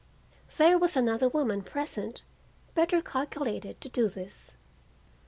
There was another woman present better calculated to do this.